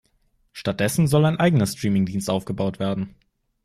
Stattdessen soll ein eigener Streaming-Dienst aufgebaut werden.